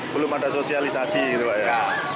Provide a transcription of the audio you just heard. belum ada sosialisasi gitu pak ya